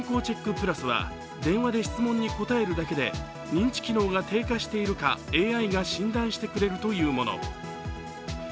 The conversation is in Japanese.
ｐｌｕｓは電話で質問に答えるだけで認知機能が低下しているかＡＩが診断してくれるというもの。